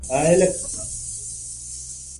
شپاړس کاله تېر شول ،په دې موده کې